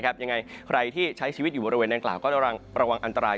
ยังไงใครที่ใช้ชีวิตอยู่บริเวณนางกล่าวก็ระวังอันตราย